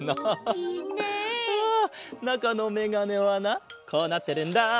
ああなかのメガネはなこうなってるんだ。